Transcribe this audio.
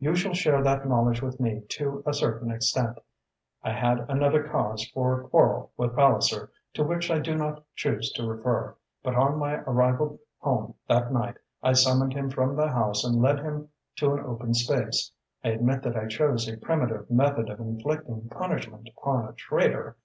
"You shall share that knowledge with me to a certain extent. I had another cause for quarrel with Palliser to which I do not choose to refer, but on my arrival home that night I summoned him from the house and led him to an open space. I admit that I chose a primitive method of inflicting punishment upon a traitor.